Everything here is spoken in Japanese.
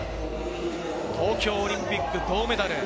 東京オリンピック銅メダル。